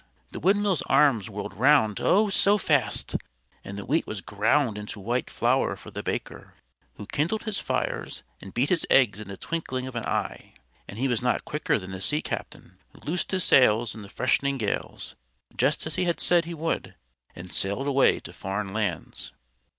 The windmill's arms whirled round, oh! so fast, and the wheat was ground into white flour for the Baker, who kindled his fires and beat his eggs in the twinkling of an eye; and he was not quicker than the Sea captain, who loosed his sails in the fresh'ning gales, just as he had said he would, and sailed away to foreign lands.